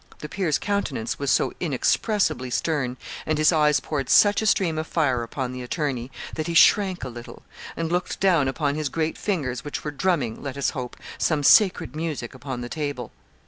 The peer's countenance was so inexpressibly stern, and his eyes poured such a stream of fire upon the attorney, that he shrank a little, and looked down upon his great fingers which were drumming, let us hope, some sacred music upon the table.